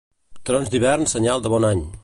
Trons d'hivern, senyal de bon any.